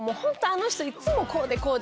あの人いっつもこうで。